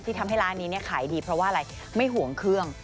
ทำให้ร้านนี้ขายดีเพราะว่าอะไรไม่ห่วงเครื่อง